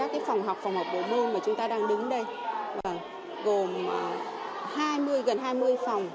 các phòng học phòng học bộ môn mà chúng ta đang đứng đây gồm gần hai mươi phòng